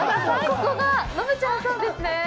ここがのぶちゃんさんですね。